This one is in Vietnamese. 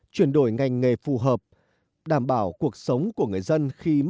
chuyển đổi ngành nghề phù hợp đảm bảo cuộc sống của người dân